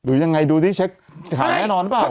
หรือยังไงดูที่เช็คถามแน่นอนหรือเปล่า